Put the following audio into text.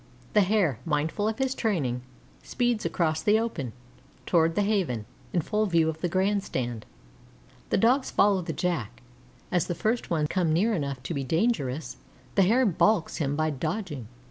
The Hare, mindful of his training, speeds across the open, toward the Haven, in full view of the Grand Stand. The Dogs follow the Jack. As the first one comes near enough to be dangerous, the Hare balks him by dodging.